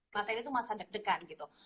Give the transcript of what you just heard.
kelas ini tuh masa deg degan gitu